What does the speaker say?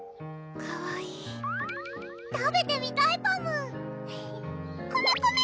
かわいい食べてみたいパムコメコメ！